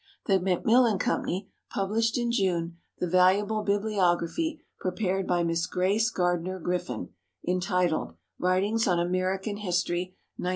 The Macmillan Company published in June the valuable bibliography prepared by Miss Grace Gardner Griffin, entitled "Writings on American History, 1907."